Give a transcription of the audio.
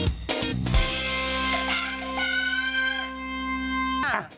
โปรดติดตามตอนต่อไป